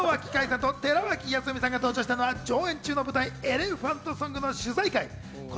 昨日、井之脇海さんと寺脇康文さんが登場したのは上演中の舞台『エレファント・ソング』の取材会。